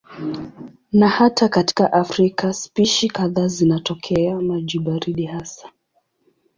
Na hata katika Afrika spishi kadhaa zinatokea maji baridi hasa.